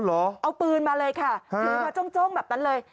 อ๋อเหรอเอาปืนมาเลยค่ะเหลือมาจ้งแบบนั้นเลย